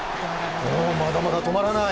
まだまだ止まらない。